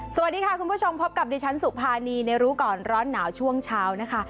สวัสดีค่ะคุณผู้ชมพบกับดิฉันสุภานีในรู้ก่อนร้อนหนาวช่วงเช้านะคะ